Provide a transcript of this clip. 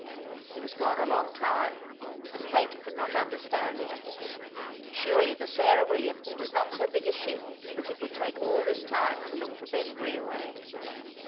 He was gone a long time, and Kate could not understand it. Surely the Sarah Williams was not so big a ship that it would take all this time to look for Ben Greenway.